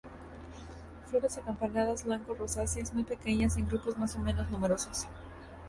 Flores acampanadas blanco rosáceas, muy pequeñas, en grupos más o menos numerosos.